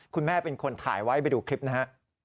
คุณแม่เป็นคนถ่ายไว้ไปดูคลิปนะฮะ